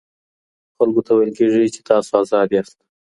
خلګو ته ویل کیږي چي تاسو ازاد یاست.